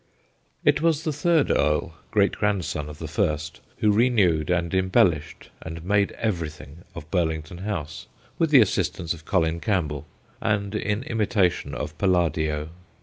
It was the third earl, great grandson of the first, who renewed and embellished and made everything of Burlington House, with the assistance of Colin Campbell and in imitation of Palladio.